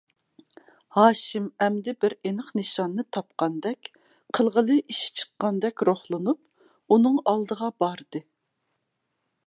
ھاشىم ئەمدى بىر ئېنىق نىشاننى تاپقاندەك، قىلغىلى ئىش چىققاندەك روھلىنىپ، ئۇنىڭ ئالدىغا باردى.